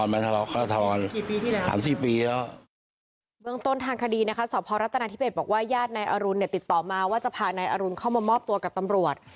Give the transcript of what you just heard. เมืองทางคดีนะคะสพรัฐนาธิเบศบอกว่าญาตินายอรุณติดต่อมาว่าจะพานายอรุณเข้ามามอบตัวกับตำรวจ